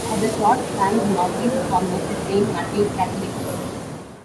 At the Short Strand's northeast corner is Saint Matthew's Catholic church.